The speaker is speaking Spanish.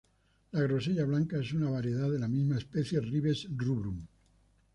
La grosella blanca es una variedad de la misma especie, "Ribes rubrum".